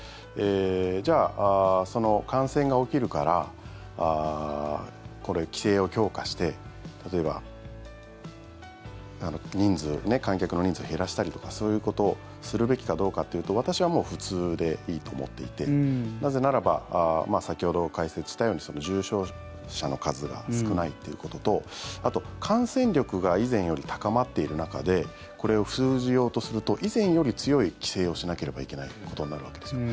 じゃあ、感染が起きるから規制を強化して例えば観客の人数を減らしたりとかそういうことをするべきかどうかっていうと私はもう普通でいいと思っていてなぜならば先ほど解説したように重症者の数が少ないということとあと、感染力が以前より高まっている中でこれを封じようとすると以前より強い規制をしなければいけないことになるわけですよ。